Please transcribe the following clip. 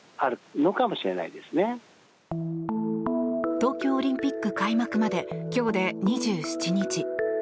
東京オリンピック開幕まで今日で２７日。